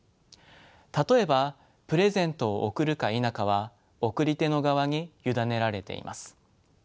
例えばプレゼントを贈るか否かは送り手の側に委ねられています。